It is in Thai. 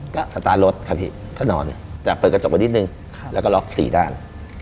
ก็สตารถ้านอนแต่เปิดกระจกไปนิดนึงแล้วก็ล็อกสี่ด้าน